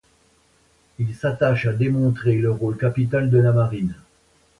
Il s'attache à démontrer le rôle capital de la marine.